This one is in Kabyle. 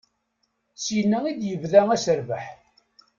Syinna i d-yebda aserbeḥ.